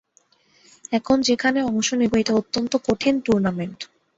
এখন যেখানে অংশ নেব, এটা অত্যন্ত কঠিন টুর্নামেন্ট।